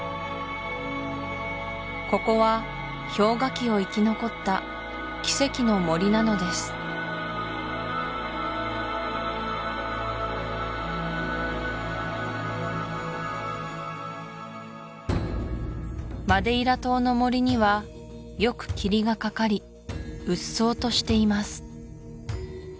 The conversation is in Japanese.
ここは氷河期を生き残った奇跡の森なのですマデイラ島の森にはよく霧がかかりうっそうとしています